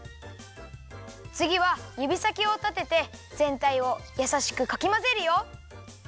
つぎはゆびさきをたててぜんたいをやさしくかきまぜるよ。